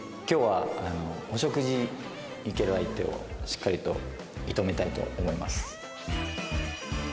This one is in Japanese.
今日はお食事に行ける相手をしっかりと射止めたいと思います。